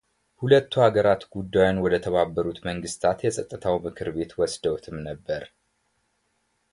ሁለቱ አገራት ጉዳዮን ወደ ተባበሩት መንግሥታት የፀጥታው ምክር ቤት ወስደውትም ነበር